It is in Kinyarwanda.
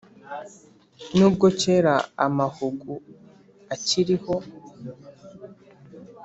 N'ubwo kera amahugu akiriho